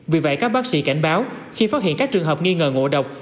vì vậy các bác sĩ cảnh báo khi phát hiện các trường hợp nghi ngờ ngộ độc